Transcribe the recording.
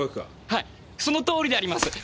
はいそのとおりであります。